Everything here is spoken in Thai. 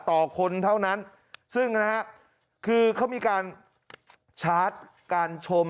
ต่อคนเท่านั้นซึ่งนะฮะคือเขามีการชาร์จการชม